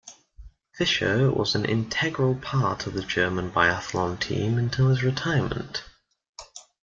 Fischer was an integral part of the German biathlon team until his retirement.